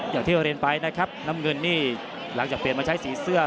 อย่างที่เราเรียนไปนะครับน้ำเงินนี่หลังจากเปลี่ยนมาใช้สีเสื้อ